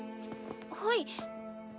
はい。